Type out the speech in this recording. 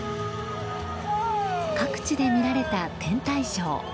各地で見られた天体ショー。